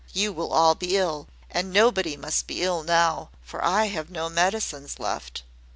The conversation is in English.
"You will all be ill: and nobody must be ill now, for I have no medicines left."